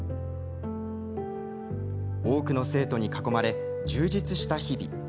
多くの生徒に囲まれ充実した日々。